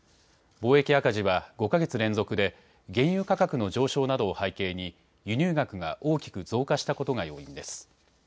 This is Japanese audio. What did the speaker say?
貿易赤字は５か月連続で原油価格の上昇などを背景に輸入額が大きく増加したことが要因です。